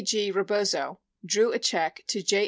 G. Rebozo, drew a check to J.